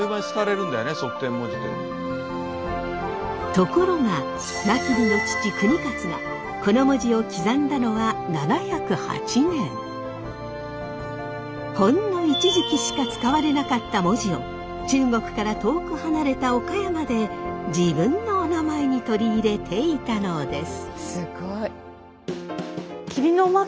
ところが真備の父ほんの一時期しか使われなかった文字を中国から遠く離れた岡山で自分のおなまえに取り入れていたのです。